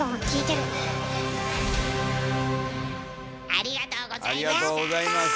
ありがとうございます。